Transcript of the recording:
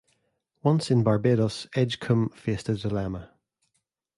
Once in Barbados Edgecombe faced a dilemma.